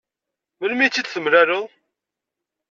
Melmi i tt-id-temlaleḍ?